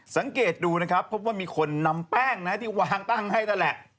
สังเกตดูนะครับพบว่ามีคนนำแป้งนะที่วางตั้งให้นั่นแหละ